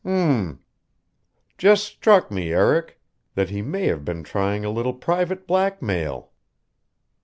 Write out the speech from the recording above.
"Mmm! Just struck me, Eric that he may have been trying a little private blackmail."